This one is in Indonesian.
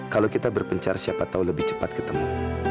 kalau kita berpencar siapa tahu lebih cepat ketemu